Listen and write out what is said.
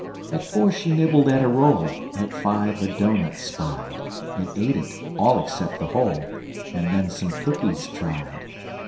At 4, she nibbled at a roll; At 5, a doughnut spied, And ate it (all except the hole), And then some cookies tried.